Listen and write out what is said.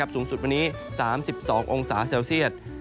สูงสุดวันนี้๓๒องศาเซลเซียต